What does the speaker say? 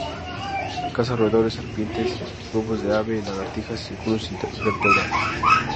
Caza roedores, serpientes, huevos de ave, lagartijas y algunos invertebrados.